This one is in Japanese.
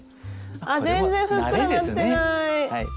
あ全然ふっくらなってない！